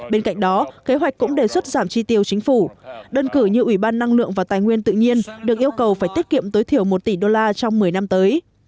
bên cạnh đó kế hoạch cũng đề xuất giảm chi tiêu chính phủ đơn cử như ủy ban năng lượng và tài nguyên tự nhiên được yêu cầu phải tiết kiệm tối thiểu một tỷ đô la trong một mươi năm tới